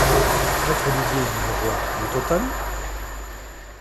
Maître Olivier, dit le roi, le total?